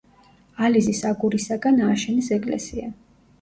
ალიზის აგურისაგან ააშენეს ეკლესია.